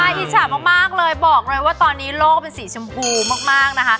อิจฉามากเลยบอกเลยว่าตอนนี้โลกเป็นสีชมพูมากนะคะ